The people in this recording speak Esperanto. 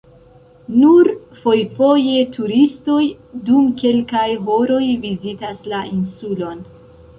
Nur fojfoje turistoj dum kelkaj horoj vizitas la insulon.